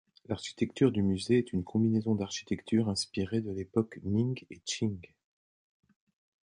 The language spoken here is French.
L'architecture du musée est une combinaison d'architecture inspirée de l'époque Ming et Ch'ing.